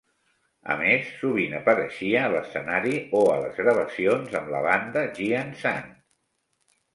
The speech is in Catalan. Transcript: A més, sovint apareixia a l'escenari o a les gravacions amb la banda Giant Sand.